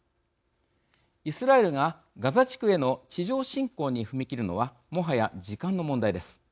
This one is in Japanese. イスラエルがガザ地区への地上侵攻に踏み切るのはもはや時間の問題です。